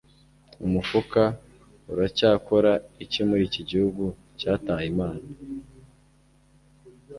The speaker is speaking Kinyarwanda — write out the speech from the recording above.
umufuka. uracyakora iki muri iki gihugu cyataye imana